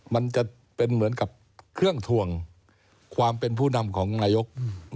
มันจะเป็นเหมือนกับเครื่องถวงความเป็นผู้นำของนายก